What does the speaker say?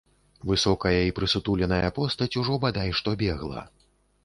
Высокая і прысутуленая постаць ужо бадай што бегла.